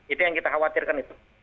itu yang kita khawatirkan